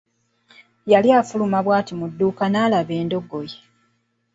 Yali afuluma bw'ati mu dduuka ng'alaba endogoyi.